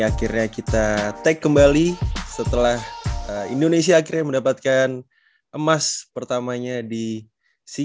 akhirnya kita take kembali setelah indonesia akhirnya mendapatkan emas pertamanya di sea games